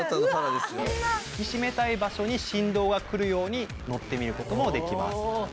引き締めたい場所に振動がくるように乗ってみることもできます。